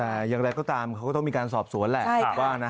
แต่อย่างไรก็ตามเขาก็ต้องมีการสอบสวนแหละว่านะ